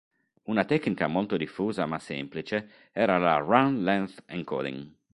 Una tecnica molto diffusa ma semplice era la Run-length encoding.